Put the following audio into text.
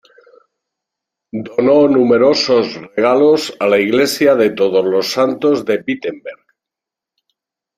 Donó numerosos regalos a la iglesia de Todos los Santos de Wittenberg.